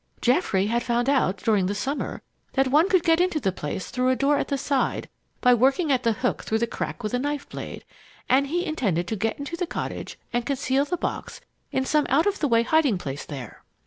Geoffrey had found out, during the summer, that one could get into that place through a door at the side by working at the hook through the crack with a knife blade, and he intended to get into the cottage and conceal the box in some out of the way hiding place there.